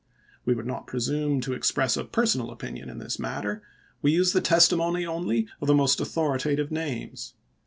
We would not presume to express a personal opin ion in this matter. We use the testimony only of the most authoritative names.